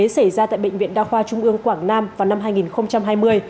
xảy ra tại bệnh viện đa khoa trung ương quảng nam vào năm hai nghìn hai mươi